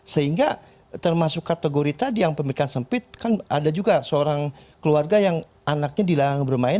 sehingga termasuk kategori tadi yang pemikiran sempit kan ada juga seorang keluarga yang anaknya dilarang bermain